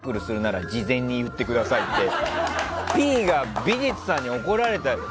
ふすまにタックルするなら事前に言ってくださいってＰが美術さんに怒られたって。